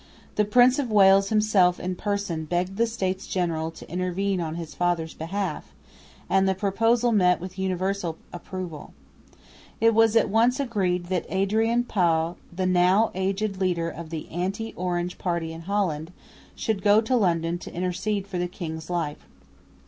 The Prince of Wales himself in person begged the States General to intervene on his father's behalf; and the proposal met with universal approval. It was at once agreed that Adrian Pauw, the now aged leader of the anti Orange party in Holland, should go to London to intercede for the king's life.